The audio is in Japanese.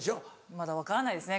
まだ分からないですね